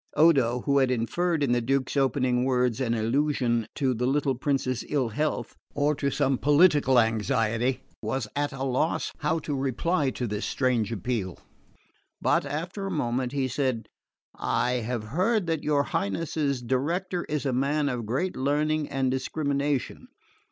Odo, who had inferred in the Duke's opening words an allusion to the little prince's ill health, or to some political anxiety, was at a loss how to reply to this strange appeal; but after a moment he said, "I have heard that your Highness's director is a man of great learning and discrimination.